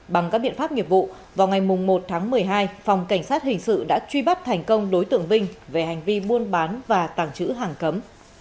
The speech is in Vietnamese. bằng các biện pháp nghiệp vụ vào ngày một tháng một mươi hai phòng cảnh sát hình sự đã truy bắt thành công đối tượng vinh về hành vi buôn bán và tàng trữ hàng cấm